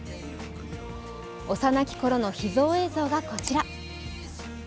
幼きころの秘蔵映像がこちら。